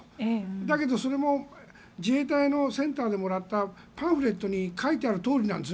だけど、それも自衛隊のセンターでもらったパンフレットに書いてあるとおりなんですね。